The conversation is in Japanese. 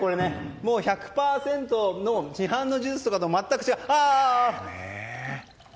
もう１００％の市販のジュースとかとは全く違う。